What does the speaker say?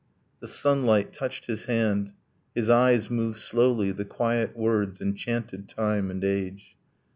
The sunlight touched his hand; his eyes moved slowly, The quiet words enchanted time and age.